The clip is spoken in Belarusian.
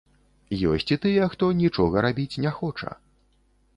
Ёсць і тыя, хто нічога рабіць не хоча.